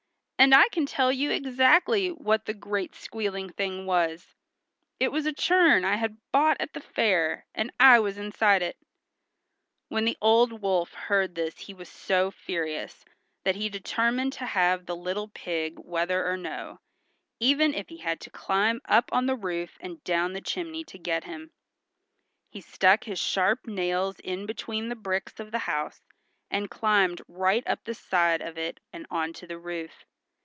"And I can tell you exactly what the great squealing thing was; it was a churn I had bought at the fair, and I was inside it." When the old wolf heard this he was so furious that he determined to have the little pig whether or no, even if he had to climb up on the roof and down the chimney to get him. He stuck his sharp nails in between the bricks of the house and climbed right up the side of it and onto the roof.